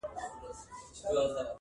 نن جهاني په ستړو منډو رباتونه وهي؛